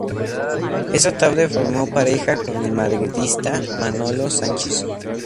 Esa tarde formó pareja con el madridista Manolo Sanchis.